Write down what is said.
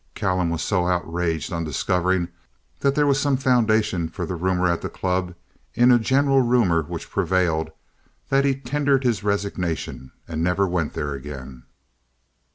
Callum was so outraged on discovering that there was some foundation for the rumor at the club in a general rumor which prevailed that he tendered his resignation, and never went there again.